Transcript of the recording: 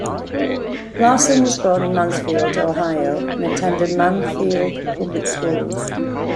Larson was born in Mansfield, Ohio, and attended Mansfield public schools.